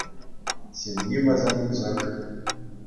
Ҫемйи вӗсен пысӑк.